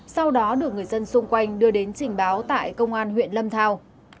sau đó được người dân xung quanh đưa đến trình báo tại công an huyện lâm thao